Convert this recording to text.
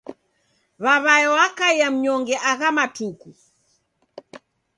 W'aw'ae wakaia mnyonge agha matuku.